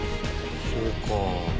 そうか。